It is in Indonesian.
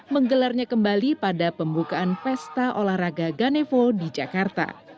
menggelarnya kembali pada pembukaan pesta olahraga ganevo di jakarta